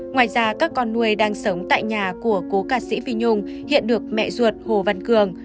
ngoài ra các con nuôi đang sống tại nhà của cố ca sĩ phi nhung hiện được mẹ ruột hồ văn cường